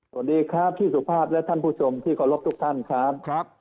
สวัสดีครับพี่สุภาพและท่านผู้ชมที่เคารพทุกท่านครับ